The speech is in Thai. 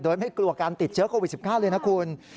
โดยไม่กลัวการติดเชื้อโควิด๑๙เลยนะคุณ